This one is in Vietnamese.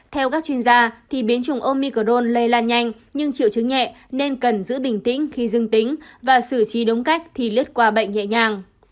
theo các chuyên gia thì biến chủng omicron lây lan nhanh nhưng triệu chứng nhẹ nên cần giữ bình tĩnh khi dưng tính và xử trí đúng cách thì lướt qua bệnh nhẹ nhàng